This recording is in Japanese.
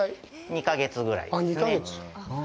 ２か月ぐらいですね。